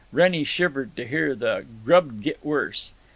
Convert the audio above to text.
Wrennie shivered to hear that the "grub 'd git worse."